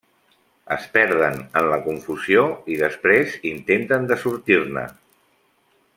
Es perden en la confusió i després intenten de sortir-ne.